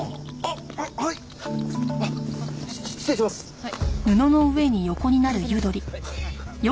はい。